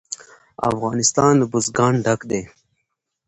افغانستان له بزګان ډک دی.